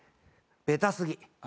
べた過ぎ。